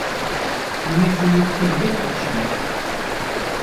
Миңә сүллектә гел оҡшай ине.